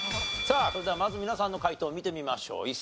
さあそれではまず皆さんの解答を見てみましょう。